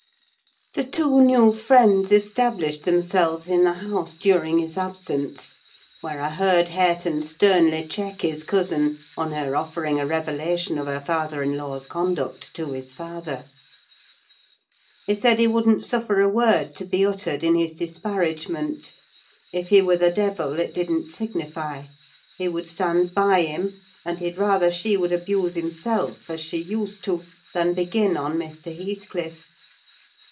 The two new friends established themselves in the house during his absence; where I heard Hareton sternly check his cousin, on her offering a revelation of her father in law's conduct to his father. He said he wouldn't suffer a word to be uttered in his disparagement: if he were the devil, it didn't signify; he would stand by him; and he'd rather she would abuse himself, as she used to, than begin on Mr. Heathcliff.